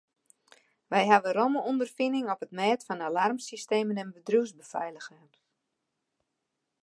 Wy hawwe romme ûnderfining op it mêd fan alarmsystemen en bedriuwsbefeiliging.